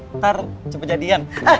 ntar cepet jadian